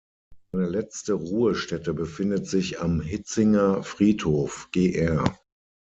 Seine letzte Ruhestätte befindet sich am Hietzinger Friedhof Gr.